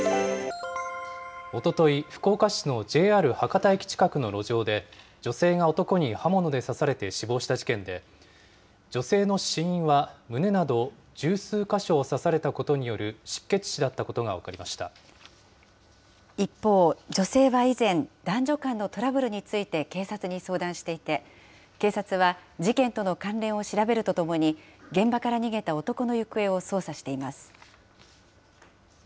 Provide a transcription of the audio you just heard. おととい、福岡市のＪＲ博多駅近くの路上で、女性が男に刃物で刺されて死亡した事件で、女性の死因は、胸など十数か所を刺されたことによる失血死だったことが分かりま一方、女性は以前、男女間のトラブルについて警察に相談していて、警察は事件との関連を調べるとともに、現場から逃げた男の行方を捜査しています。